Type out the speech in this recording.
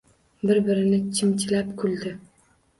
Bir-birini chimchilab kuldi.